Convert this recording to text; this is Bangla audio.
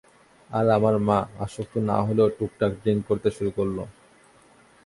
আর আমার মা, আসক্ত না হলেও টুকটাক ড্রিংক করতে শুরু করলো।